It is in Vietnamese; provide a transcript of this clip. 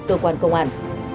cơ quan công an